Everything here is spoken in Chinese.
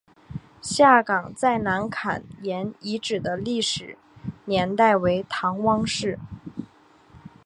下岗再南坎沿遗址的历史年代为唐汪式。